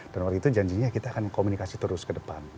dan waktu itu janjinya kita akan komunikasi terus ke depan